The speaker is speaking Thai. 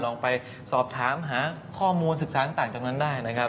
ลองไปสอบถามหาข้อมูลศึกษาต่างจากนั้นได้นะครับ